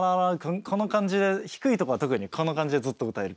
この感じで低いとこは特にこんな感じでずっと歌えるっていう。